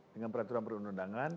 dengan peraturan perundangan